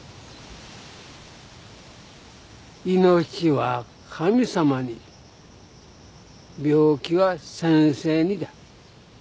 「命は神様に病気は先生に」だ。